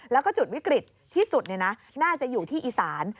แล้วก็จุดวิกฤตที่สุดน่าจะอยู่ที่อีสาน